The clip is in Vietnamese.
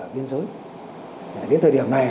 đến thời điểm này